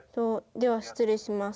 では失礼します。